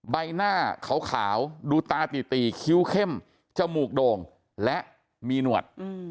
ใบหน้าขาวดูตาตีคิ้วเข้มจมูกโด่งและมีหนวด